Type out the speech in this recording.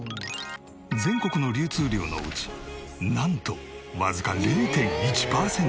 全国の流通量のうちなんとわずか０．１パーセント。